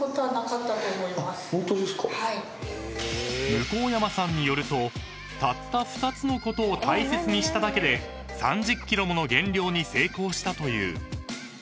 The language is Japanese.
［向山さんによるとたった２つのことを大切にしただけで３０ｋｇもの減量に成功したという］